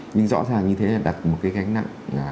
nhưng rõ ràng như thế là đặt một cái gánh nặng